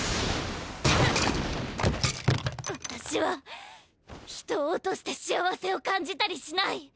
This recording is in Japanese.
私は人を落として幸せを感じたりしない。